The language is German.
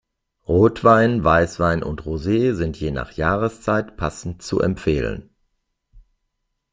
Rotwein, Weißwein und Rosé sind je nach Jahreszeit passend zu empfehlen.